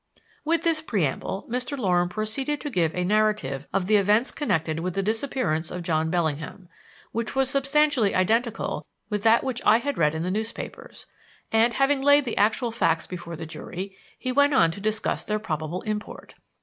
With this preamble Mr. Loram proceeded to give a narrative of the events connected with the disappearance of John Bellingham, which was substantially identical with that which I had read in the newspapers; and having laid the actual facts before the jury, he went on to discuss their probable import.